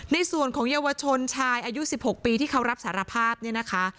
ในส่วนของเยาวชนชายอายุ๑๖ปีที่เขารับสารภาพเนี่ยนะคะ